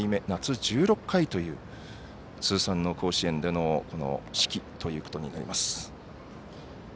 夏１６回という通算の甲子園での指揮ということになります。